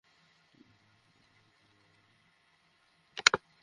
তাঁদের পুলিশ ধাওয়া দিলে তাঁরা পুলিশের ওপর দুটি ককটেল নিক্ষেপ করেন।